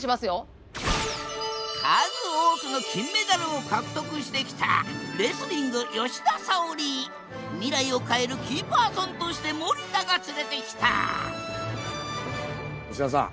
数多くの金メダルを獲得してきた未来を変えるキーパーソンとして森田が連れてきた吉田さん！